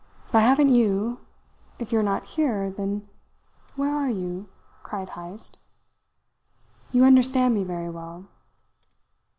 "If I haven't you, if you are not here, then where are you?" cried Heyst. "You understand me very well."